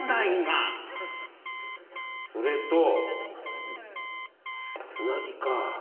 それと、つなぎか。